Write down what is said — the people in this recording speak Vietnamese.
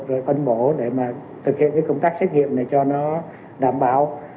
rồi phân bổ để mà thực hiện cái công tác xét nghiệm này cho nó đảm bảo